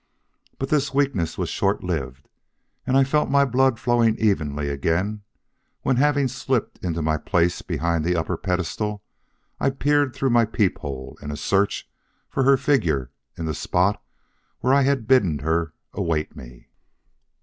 But this weakness was short lived and I felt my blood flowing evenly again when having slipped into my place behind the upper pedestal I peered through my peep hole in a search for her figure in the spot where I had bidden her await me.